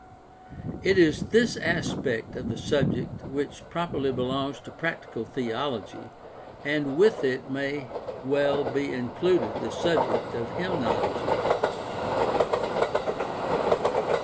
It is this aspect of the subject which properly belongs to prac tical theology, and with it may well be included the subject of hymnology.